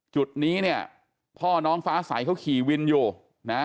จุดนี้เนี่ยพ่อน้องฟ้าใสเขาขี่วินอยู่นะ